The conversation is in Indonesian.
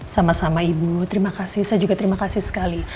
sama sama ibu terima kasih saya juga terima kasih sekali